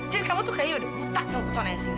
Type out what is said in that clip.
dan kamu tuh kayaknya udah buta sama pesona yang sini